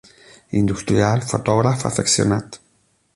Industrial, fotògraf afeccionat.